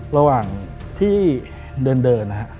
ระหว่างที่เดินนะฮะ